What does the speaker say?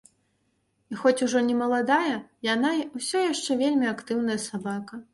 І хоць ужо не маладая, яна ўсё яшчэ вельмі актыўная сабака.